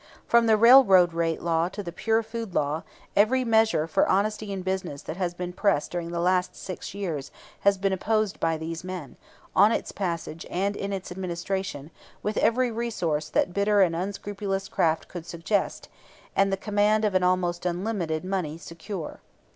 From the railroad rate law to the pure food law, every measure for honesty in business that has been pressed during the last six years, has been opposed by these men, on its passage and in its administration, with every resource that bitter and unscrupulous craft could suggest, and the command of almost unlimited money secure.